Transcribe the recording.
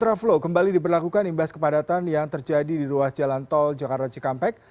kontraflow kembali diberlakukan imbas kepadatan yang terjadi di ruas jalan tol jakarta cikampek